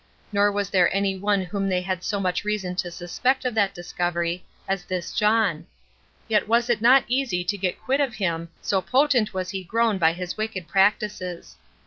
Nor was there any one whom they had so much reason to suspect of that discovery as this John; yet was it not easy to get quit of him, so potent was he grown by his wicked practices.